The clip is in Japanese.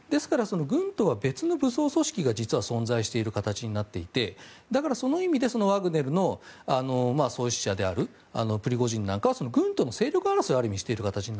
軍との別の武装組織が実は存在している形になっていてだから、その意味でワグネルの創始者であるプリゴジン氏なんかは軍との勢力争いをある意味、していると。